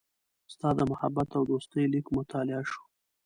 ستا د محبت او دوستۍ لیک مطالعه شو.